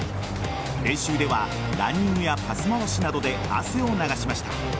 練習ではランニングやパス回しなどで汗を流しました。